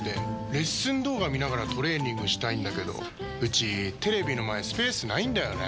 レッスン動画見ながらトレーニングしたいんだけどうちテレビの前スペースないんだよねー。